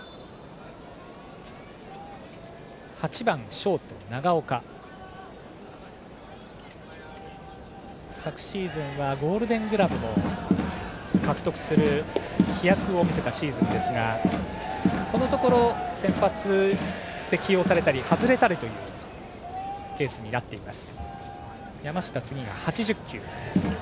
打席には８番、ショートの長岡。昨シーズンはゴールデン・グラブを獲得する飛躍を見せたシーズンでしたがこのところ先発で起用されたり外れたりというケースになっています。